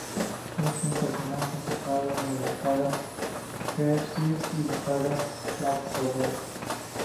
Es un personaje citado en la "saga de Grettir", y "saga de Laxdœla".